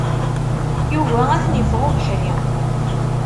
Yugi ad ten-iffeɣ ubeḥri.